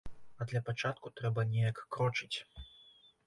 А для пачатку трэба неяк крочыць.